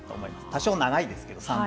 多少長いですけれども。